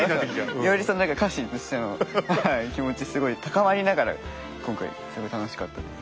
よりその何か家臣としての気持ちすごい高まりながら今回すごい楽しかったです。